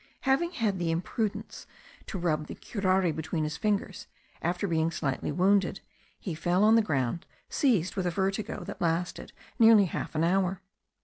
Having had the imprudence to rub the curare between his fingers after being slightly wounded, he fell on the ground seized with a vertigo, that lasted nearly half an hour.